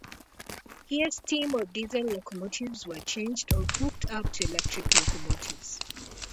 Here, steam or diesel locomotives were changed or hooked up to electric locomotives.